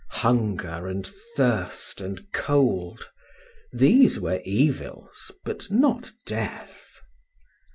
Hunger and thirst and cold these were evils, but not death.